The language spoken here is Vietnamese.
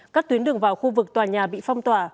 các tuyến đường vào khu vực tòa nhà bị phong tỏa